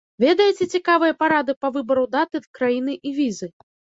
Ведаеце цікавыя парады па выбару даты, краіны і візы?